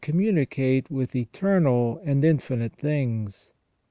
393 communicate with eternal and infinite things.